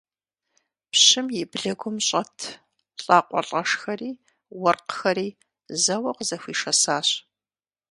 Пщым и блыгум щӀэт лӀакъуэлӀэшхэри уэркъхэри зэуэ къызэхуишэсащ.